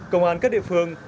công an các địa phương